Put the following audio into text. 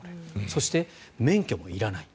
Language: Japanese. そして、免許もいらない。